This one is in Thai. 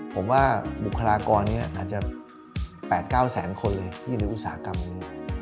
ผมว่าบุคลากรนี้อาจจะ๘๙แสนคนเลยที่หรืออุตสาหกรรมนี้